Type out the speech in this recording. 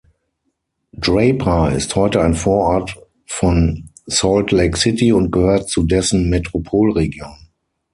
Draper ist heute ein Vorort von Salt Lake City und gehört zu dessen Metropolregion.